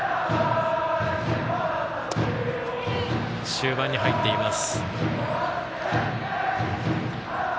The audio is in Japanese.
終盤に入っています。